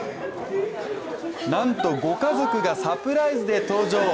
なんと、ご家族がサプライズで登場。